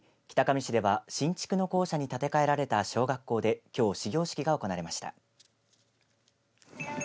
北上市では新築の校舎に建て替えられた小学校できょう始業式が行われました。